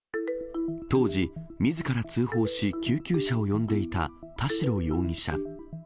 当時、みずから通報し、救急車を呼んでいた田代容疑者。